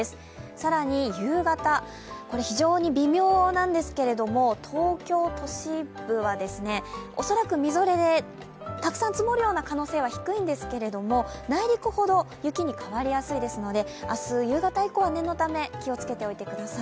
更に夕方、非常に微妙なんですけど、東京都市部は恐らくみぞれでたくさん積もるような可能性は低いんですけれども、内陸ほど雪に変わりやすいですので、明日夕方以降は念のため気をつけておいてください。